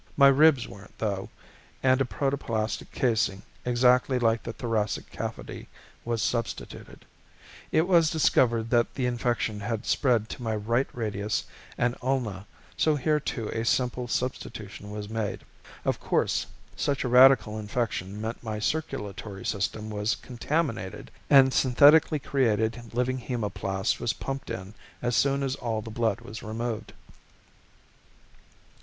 My ribs weren't, though, and a protoplastic casing, exactly like the thoracic cavity, was substituted. It was discovered that the infection had spread to my right radius and ulna so here too a simple substitution was made. Of course, such a radical infection meant my circulatory system was contaminated and synthetically created living hemoplast was pumped in as soon as all the blood was removed.